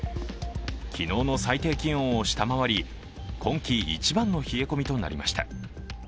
昨日の最低気温を下回り今季一番の冷え込みとなりました。